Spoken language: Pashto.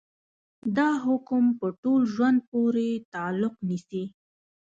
دا حکم په ټول ژوند پورې تعلق نيسي.